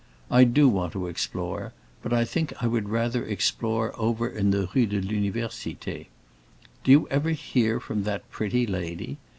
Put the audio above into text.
I do want to explore, but I think I would rather explore over in the Rue de l'Université. Do you ever hear from that pretty lady?